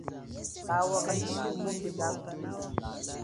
Kawa kashithu mupi kakusumana.